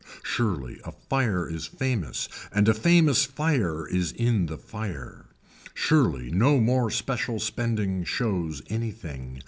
Surely a fire is famous and a famous fire is in the fire. Surely no more special spending shows anything.